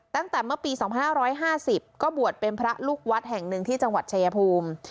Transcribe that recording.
ตั้งแต่เมื่อปี๒๕๕๐ก็บวชเป็นพระลูกวัดแห่งหนึ่งที่จังหวัดชายภูมิ